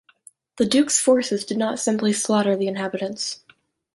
The Duke's forces did not simply slaughter the inhabitants.